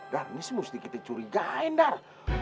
dar ini sih mesti kita curigain dar